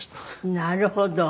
なるほど。